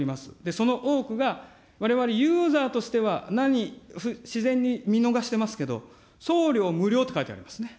その多くが、われわれユーザーとしては、自然に見逃してますけど、送料無料って書いてありますね。